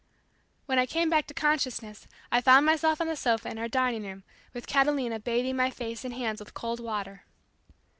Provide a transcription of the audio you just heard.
When I came back to consciousness I found myself on the sofa in our dining room, with Catalina bathing my face and hands with cold water.